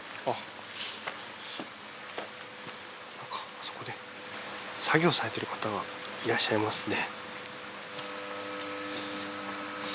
あそこで作業されてる方がいらっしゃいますね。